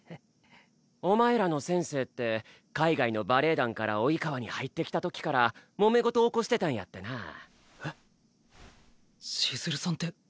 お前らの先生って海外のバレエ団から「生川」に入ってきたときからもめ事起こしてたんやってなぁ。